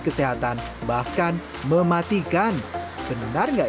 kesehatan bahkan mematikan benar nggak